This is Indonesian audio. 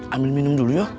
ambil minum dulu yuk